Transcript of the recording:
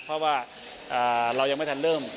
เพราะว่าเรายังไม่ทันเริ่ม